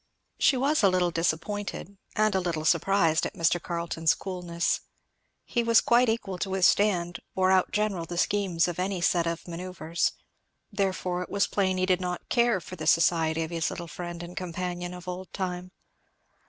She was a little disappointed and a little surprised at Mr. Carleton's coolness. He was quite equal to withstand or out general the schemes of any set of manoeuvrers; therefore it was plain he did not care for the society of his little friend and companion of old time.